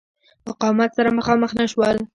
مقاومت سره مخامخ نه شول.